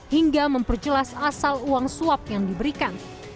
hingga memperjelas asal uang suap yang diberikan